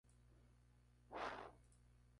Pasado el siglo, entró en decadencia.